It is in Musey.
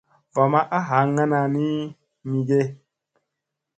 Va ma a ɦaŋŋanani mi ge.